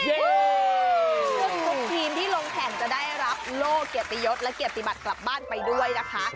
ซึ่งทุกทีมที่ลงแข่งจะได้รับโลกเกียรติยศและเกียรติบัติกลับบ้านไปด้วยนะคะ